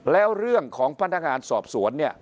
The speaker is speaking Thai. แล้วเรื่องของพนักงานสอบสวนเนี่ย